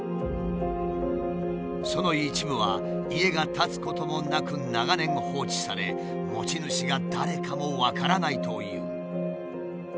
その一部は家が建つこともなく長年放置され持ち主が誰かも分からないという。